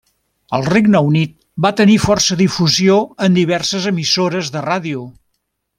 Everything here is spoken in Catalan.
Al Regne Unit va tenir força difusió en diverses emissores de ràdio.